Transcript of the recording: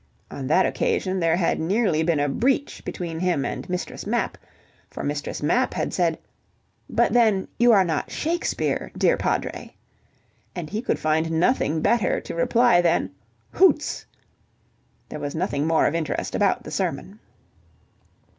On that occasion there had nearly been a breach between him and Mistress Mapp, for Mistress Mapp had said: "But then you are not Shakespeare, dear Padre." And he could find nothing better to reply than "Hoots!" ... There was nothing more of interest about the sermon.